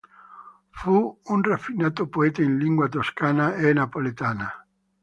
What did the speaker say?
Fu un raffinato poeta in lingua toscana e napoletana.